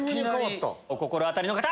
お心当たりの方！